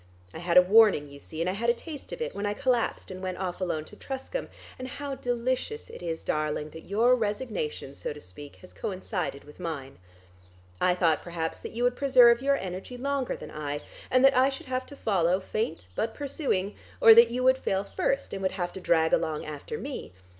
I had a warning you see, and I had a taste of it, when I collapsed and went off alone to Truscombe; and how delicious it is, darling, that your resignation, so to speak, has coincided with mine. I thought perhaps that you would preserve your energy longer than I, and that I should have to follow, faint but pursuing, or that you would fail first, and would have to drag along after me.